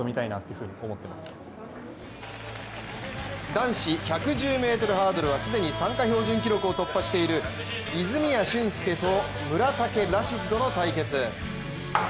男子１１０ｍハードルは既に参加標準記録を突破している泉谷駿介と、村竹ラシッドの対決。